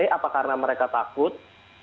apa karena mereka takut